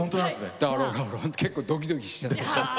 だから結構どきどきしちゃって。